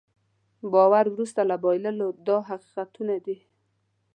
باور وروسته له بایللو دا حقیقتونه دي.